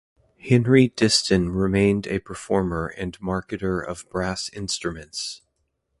Henri Distin remained a performer and marketer of brass instruments.